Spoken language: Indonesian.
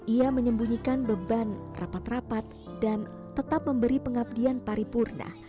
ia menyembunyikan beban rapat rapat dan tetap memberi pengabdian paripurna